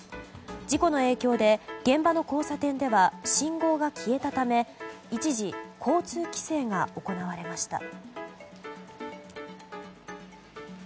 事故の影響で現場の交差点では信号が消えたため一時、交通規制が行われました。